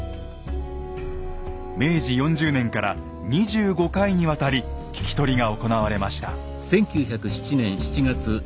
明治４０年から２５回にわたり聞き取りが行われました。